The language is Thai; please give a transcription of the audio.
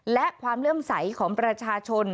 และความเลื่อมใสของประชาชน